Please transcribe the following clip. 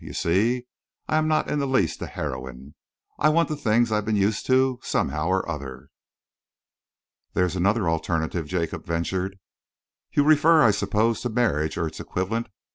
You see, I am not in the least a heroine. I want the things I've been used to, somehow or other." "There is another alternative," Jacob ventured. "You refer, I suppose, to marriage or its equivalent?